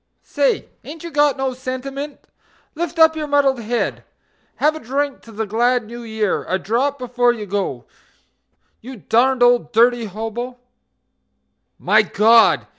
Say! ain't you got no sentiment? Lift up your muddled head; Have a drink to the glad New Year, a drop before you go You darned old dirty hobo... My God!